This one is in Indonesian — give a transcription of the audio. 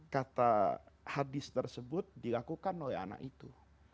kata hadis tersebut dilakukan oleh anak itu